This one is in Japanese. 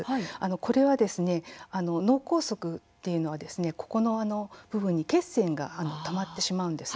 これは、脳梗塞は脳の血管に血栓がたまってしまうんです。